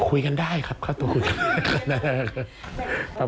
คุยกันได้ครับข้าตัวคุยกันได้ครับ